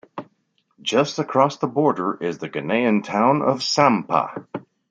Just across the border is the Ghanaian town of Sampa.